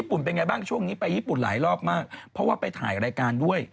ุ่นเป็นไงบ้างช่วงนี้ไปญี่ปุ่นหลายรอบมากเพราะว่าไปถ่ายรายการด้วย